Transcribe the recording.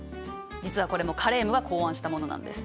実はこれもカレームが考案したものなんです。